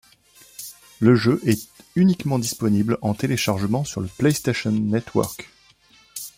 Le jeu est uniquement disponible en téléchargement sur le PlayStation Network.